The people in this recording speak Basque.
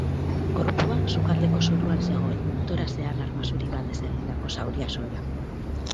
Gorpua sukaldeko zoruan zegoen, toraxean arma zuri batez egindako zauria zuela.